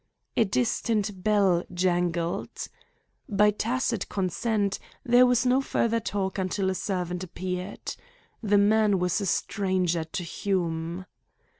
A distant bell jangled. By tacit consent, there was no further talk until a servant appeared. The man was a stranger to Hume.